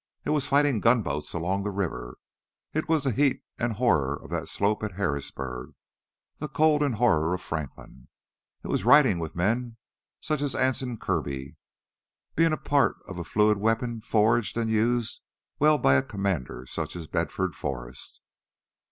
It was fighting gunboats along the river; it was the heat and horror of that slope at Harrisburg, the cold and horror of Franklin. It was riding with men such as Anson Kirby, being a part of a fluid weapon forged and used well by a commander such as Bedford Forrest.